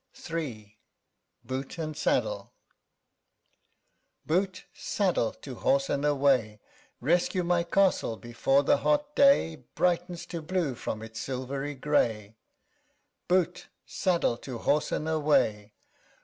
_ 20 III BOOT AND SADDLE Boot, saddle, to horse, and away! Rescue my castle before the hot day Brightens to blue from its silvery gray, CHORUS. _Boot, saddle, to horse, and away!